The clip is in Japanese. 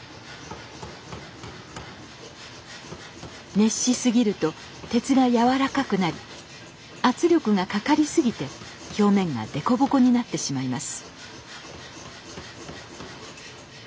熱し過ぎると鉄が軟らかくなり圧力がかかり過ぎて表面が凸凹になってしまいます。